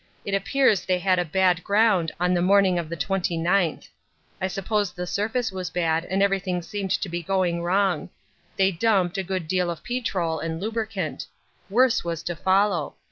It appears they had a bad ground on the morning of the 29th. I suppose the surface was bad and everything seemed to be going wrong. They 'dumped' a good deal of petrol and lubricant. Worse was to follow.